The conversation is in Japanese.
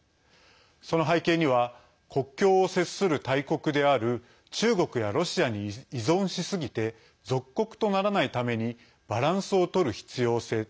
その背景には国境を接する大国である中国やロシアに依存しすぎて属国とならないためにバランスをとる必要性。